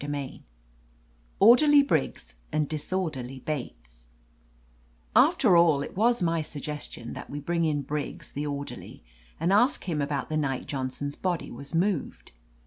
x CHAPTER IX ORDERLY BRIGGS AND DISORDERLY BATES After all, it was my suggestion that we /\ bring in Briggs, the orderly, and ask him about the night Johnson's body was moved.